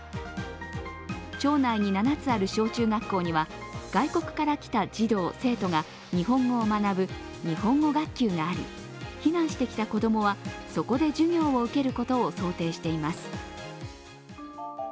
町内に７つある小中学校には、外国から児童生徒が日本語学級があり、避難してきた子供は、そこで授業を受けることを想定しています。